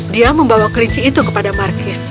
dia membawa kelinci itu kepada markis